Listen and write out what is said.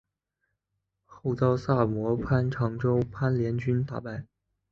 后遭萨摩藩长州藩联军打败。